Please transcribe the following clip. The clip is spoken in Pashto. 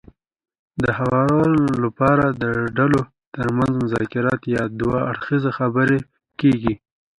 د هوارولو لپاره د ډلو ترمنځ مذاکرات يا دوه اړخیزې خبرې کېږي.